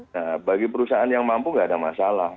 nah bagi perusahaan yang mampu nggak ada masalah